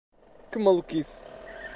Que maluquice!